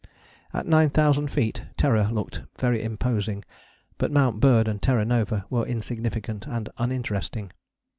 At 9000 feet Terror looked very imposing, but Mount Bird and Terra Nova were insignificant and uninteresting.